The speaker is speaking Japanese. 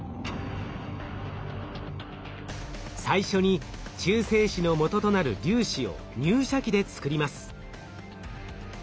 最初に中性子のもととなる粒子を入射器で作ります。